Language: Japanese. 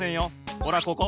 ほらここ！